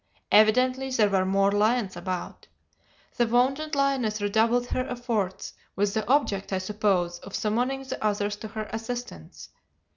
Evidently there were more lions about. The wounded lioness redoubled her efforts, with the object, I suppose, of summoning the others to her assistance.